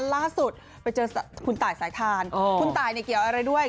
ล่าสุดไปเจอคุณตายสายทานคุณตายเนี่ยเกี่ยวอะไรด้วย